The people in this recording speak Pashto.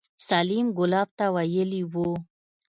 سليم ګلاب ته ويلي وو.